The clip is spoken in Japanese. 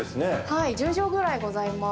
はい１０畳ぐらいございます。